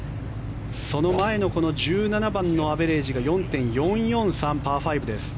その前のこの１７番のアベレージが４．４４３です。